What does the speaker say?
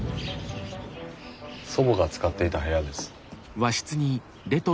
祖母が使っていた部屋です。